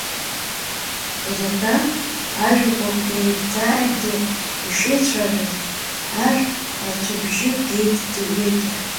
Инатәан, ажәақәак неимда-ааимдо ишеицәажәоз, ашә аҵәҵәабжьы геит дырҩегьых.